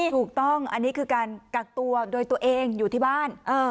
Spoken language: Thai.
ถูกต้องอันนี้คือการกักตัวโดยตัวเองอยู่ที่บ้าน